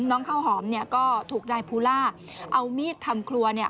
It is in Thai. น้องข้าวหอมก็ถูกได้พูล่าเอามีดทำครัว